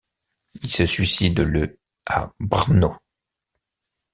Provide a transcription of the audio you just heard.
Il se suicide le a Brno.